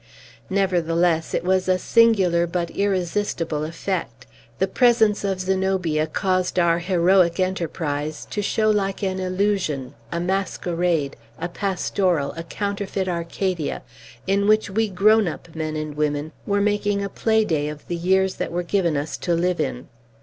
Nevertheless, it was a singular but irresistible effect; the presence of Zenobia caused our heroic enterprise to show like an illusion, a masquerade, a pastoral, a counterfeit Arcadia, in which we grown up men and women were making a play day of the years that were given us to live in.